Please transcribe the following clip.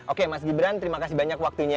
oke mas gibran terima kasih banyak waktunya